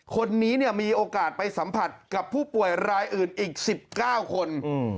คนนี้เนี่ยมีโอกาสไปสัมผัสกับผู้ป่วยรายอื่นอีก๑๙คน